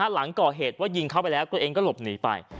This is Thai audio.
หลังก่อเหตุว่ายิงเข้าไปแล้วตัวเองก็หลบหนีไป